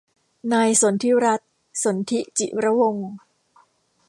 นายสนธิรัตน์ สนธิจิรวงศ์